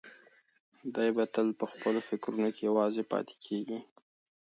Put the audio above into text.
دی به تل په خپلو فکرونو کې یوازې پاتې کېږي.